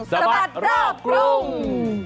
สะบัดรอบกรุง